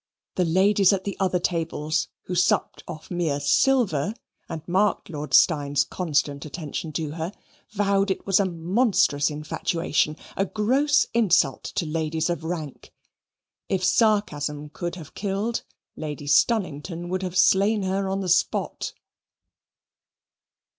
The ladies at the other tables, who supped off mere silver and marked Lord Steyne's constant attention to her, vowed it was a monstrous infatuation, a gross insult to ladies of rank. If sarcasm could have killed, Lady Stunnington would have slain her on the spot.